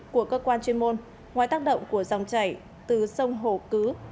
của cơ quan chuyên môn ngoài tác động của dòng chảy từ sông hồ cứ